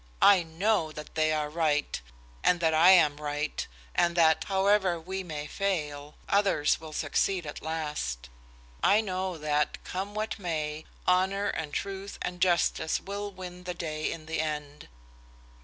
I know that they are right, and that I am right, and that, however we may fail, others will succeed at last. I know that, come what may, honor and truth and justice will win the day in the end!"